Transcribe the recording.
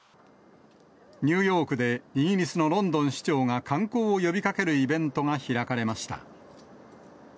ニューヨークでイギリスのロンドン市長が観光を呼びかけるイベントが開かれました。